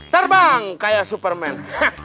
terbang kayak superman